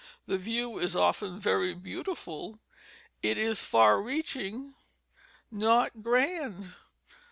The view is often very beautiful, it is far reaching, not grand.